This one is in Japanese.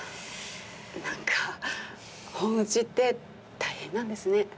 何か本打ちって大変なんですね。